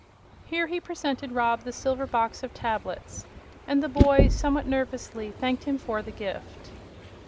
Here he presented Rob the silver box of tablets, and the boy, somewhat nervously, thanked him for the gift.